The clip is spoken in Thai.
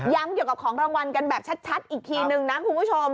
เกี่ยวกับของรางวัลกันแบบชัดอีกทีนึงนะคุณผู้ชม